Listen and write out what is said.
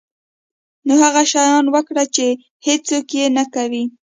نو هغه شیان وکړه چې هیڅوک یې نه کوي.